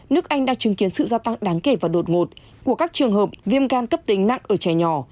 nước anh đang chứng kiến sự gia tăng đáng kể và đột ngột của các trường hợp viêm gan cấp tính nặng ở trẻ nhỏ